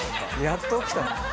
やっと起きたな。